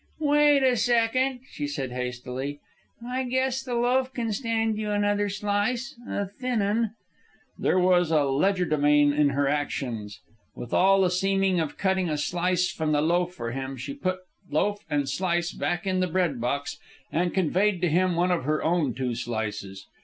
"Wait a second," she said hastily. "I guess the loaf kin stand you another slice a thin un." There was legerdemain in her actions. With all the seeming of cutting a slice from the loaf for him, she put loaf and slice back in the bread box and conveyed to him one of her own two slices.